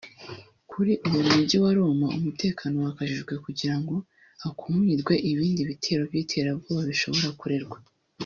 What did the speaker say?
Kuri ubu mu mujyi wa Roma umutekano wakajijwe kugirango hakumirwe ibindi bitero by'iterabwoba bishobora kurerwa